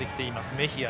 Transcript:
メヒア。